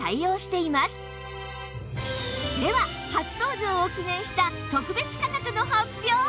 では初登場を記念した特別価格の発表！